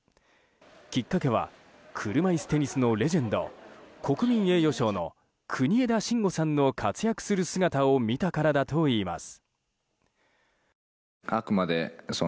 きっかけは車いすテニスのレジェンド国民栄誉賞の国枝慎吾さんの活躍する姿を見たからだといいます。